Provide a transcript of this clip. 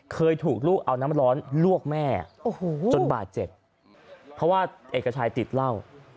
เคยถูกลูกเอาน้ำร้อนลวกแม่จนบาดเจ็บเพราะว่าเอกชัยติดเหล้า